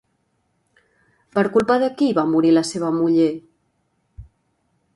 Per culpa de qui va morir la seva muller?